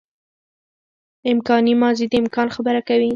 امکاني ماضي د امکان خبره کوي.